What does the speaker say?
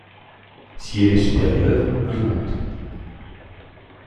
Si elle est supérieure, il monte.